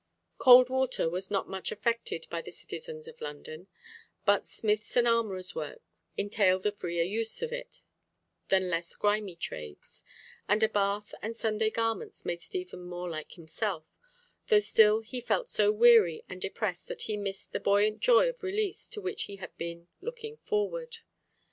Cold water was not much affected by the citizens of London, but smiths' and armourers' work entailed a freer use of it than less grimy trades; and a bath and Sunday garments made Stephen more like himself, though still he felt so weary and depressed that he missed the buoyant joy of release to which he had been looking forward.